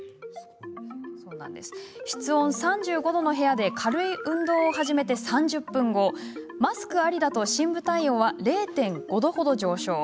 室温３５度の部屋で軽い運動を始めて３０分後マスクありだと深部体温は０．５度ほど上昇。